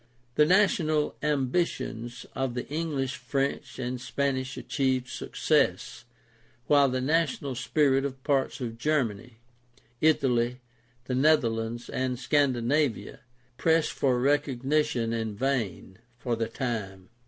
The national ambitions of the English, French, and Spanish achieved success, while the national spirit of parts of Germany, Italy, the Netherlands, and Scandinavia pressed for recognition in vain for the time.